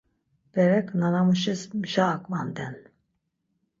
Berek nana muşis mja aǩvanden.